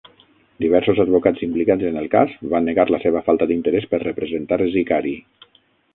Diversos advocats implicats en el cas, van negar la seva falta d'interès per representar Zicari.